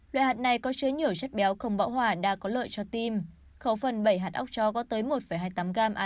loại hạt này có chứa nhiều chất béo không bão hỏa đã có lợi cho tim khẩu phần bảy hạt ốc chó có tới một hai mươi tám g ala